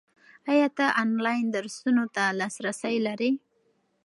ایا ته آنلاین درسونو ته لاسرسی لرې؟